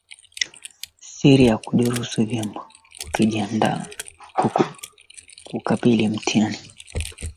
Wote wawe na umoja kama wewe Baba ulivyo ndani yangu nami ndani yako